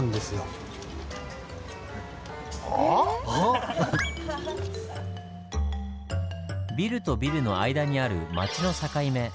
はあ⁉ビルとビルの間にある町の境目。